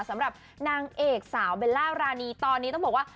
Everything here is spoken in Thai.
สำหรับนางเอกสาวเบลล่ารานีตอนนี้ต้องบอกว่า